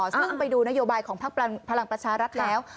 ซึ่งไปดูนโยบายของพักพลังประชารัฐแล้ว